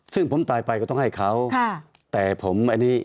ซึ่งผมตายไปก็ต้องให้เขาแต่ผม